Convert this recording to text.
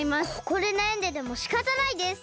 ここでなやんでてもしかたないです。